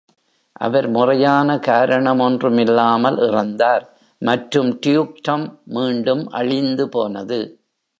அவர் முறையான காரணமொன்றுமில்லாமல் இறந்தார், மற்றும் டியூக்டம் மீண்டும் அழிந்துபோனது.